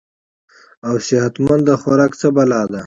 او صحت مند خوراک څۀ بلا ده -